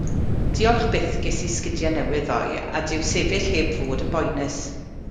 Diolch byth ges i sgidie newydd ddoe a dyw sefyll heb fod yn boenus.